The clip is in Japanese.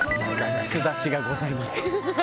「すだちがございません！」。